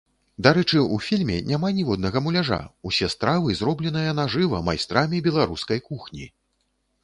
Дарэчы, у фільме няма ніводнага муляжа, усе стравы зробленыя нажыва майстрамі беларускай кухні!